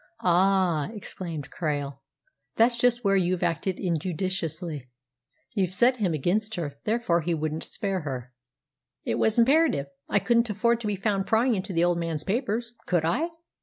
"Ah," exclaimed Krail, "that's just where you've acted injudiciously! You've set him against her; therefore he wouldn't spare her." "It was imperative. I couldn't afford to be found prying into the old man's papers, could I?